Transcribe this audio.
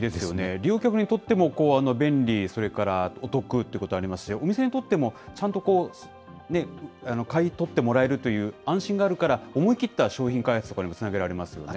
利用客にとっても便利、それからお得ということもありますし、お店にとってもちゃんと買い取ってもらえるという安心があるから、思い切った商品開発とかにもつなげられますよね。